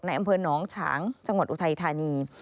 อำเภอหนองฉางจังหวัดอุทัยธานี